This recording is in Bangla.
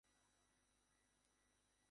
আমর ঘোড়ার পিঠ থেকে পড়ে গড়াগড়ি খাওয়ার উপক্রম হয়।